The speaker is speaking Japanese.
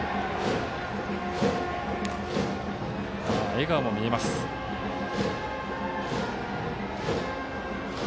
笑顔も見えます、権田。